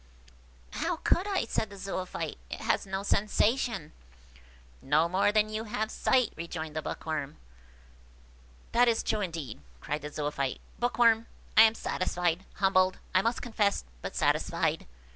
"How could I?" said the Zoophyte; "it has no sensation." "No more than you have sight," rejoined the Bookworm. "That is true indeed," cried the Zoophyte. "Bookworm! I am satisfied–humbled, I must confess, but satisfied.